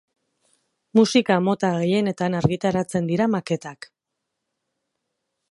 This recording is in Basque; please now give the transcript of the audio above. Musika mota gehienetan argitaratzen dira maketak.